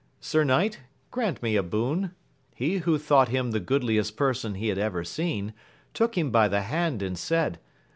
Sir knight, grant me a boon. He who thought him the goodliest person he had ever seen, took him by the hand and said.